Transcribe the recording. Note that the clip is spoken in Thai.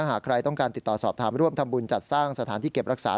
หากใครต้องการติดต่อสอบถามร่วมทำบุญจัดสร้างสถานที่เก็บรักษา